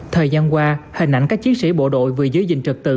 thời gian qua hình ảnh các chiến sĩ bộ đội vừa giới dịch trật tự